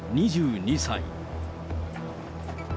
２２歳。